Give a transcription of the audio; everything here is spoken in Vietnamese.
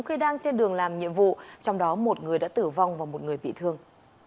khi đang trên đường làm nhiệm vụ trong đó một người đã tử vong và một người bị thương